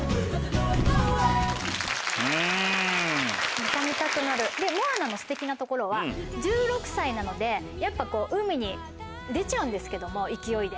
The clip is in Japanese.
また見たくなるでモアナのステキなところは１６歳なのでやっぱ海に出ちゃうんですけども勢いで。